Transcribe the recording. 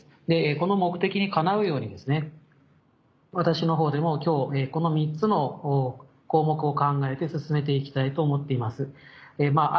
この目的にかなうように私のほうでも今日この３つの項目を考えて進めて行きたいと思っています。